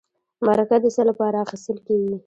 مرکه د څه لپاره اخیستل کیږي؟